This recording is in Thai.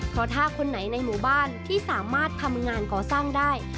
เพราะถ้าคนไหนในหมู่บ้านที่สามารถทำงานก่อสร้างได้